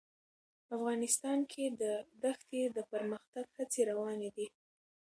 افغانستان کې د ښتې د پرمختګ هڅې روانې دي.